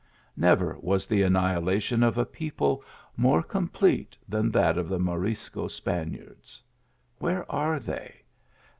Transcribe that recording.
Never was the annihilation of a people more com plete than that of the Morisco Spaniards. Where are they